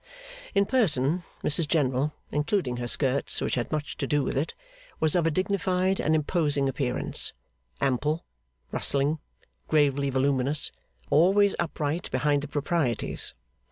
In person, Mrs General, including her skirts which had much to do with it, was of a dignified and imposing appearance; ample, rustling, gravely voluminous; always upright behind the proprieties.